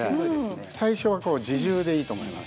最初はこう自重でいいと思います。